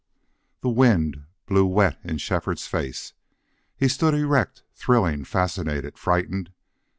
The wind blew wet in Shefford's face. He stood erect, thrilling, fascinated, frightened.